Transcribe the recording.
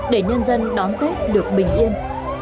để nhân dân đón tết được bình yên